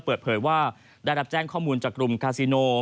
เปิดเผยว่าได้รับแจ้งข้อมูลจากกลุ่มคาซิโน